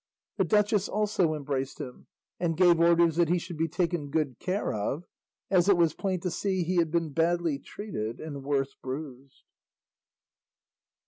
The duchess also embraced him, and gave orders that he should be taken good care of, as it was plain to see he had been badly treated and worse bruised.